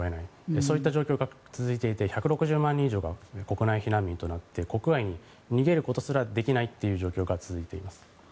そういう状況が続いていて１６０万人以上が避難民になっていて国外に逃げることすらできない状況が続いています。